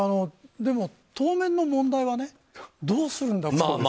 当面の問題はどうするんだと。